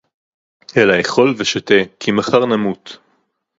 אלא אכול ושתה כי מחר נמות